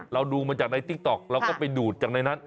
ดูมาจากในติ๊กต๊อกเราก็ไปดูดจากในนั้น